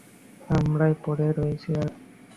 আমরাই পড়ে রয়েছি আর?